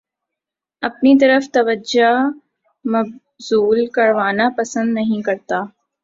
اپنی طرف توجہ مبذول کروانا پسند نہیں کرتا